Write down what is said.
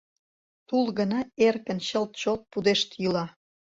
Тул гына эркын чылт-чолт пудешт йӱла.